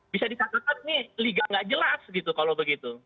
bisa dikatakan ini liga gak jelas gitu kalau begitu